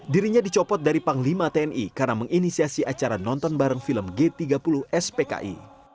dirinya dicopot dari panglima tni karena menginisiasi acara nonton bareng film g tiga puluh spki